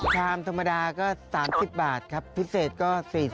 ชามธรรมดาก็๓๐บาทครับพิเศษก็๔๐